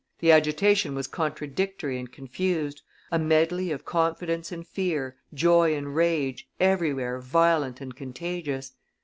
The agitation was contradictory and confused, a medley of confidence and fear, joy and rage, everywhere violent and contagious.